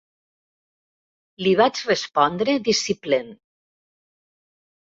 Li vaig respondre displicent.